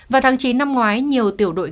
vào tháng chín năm ngoái nhiều tiểu đội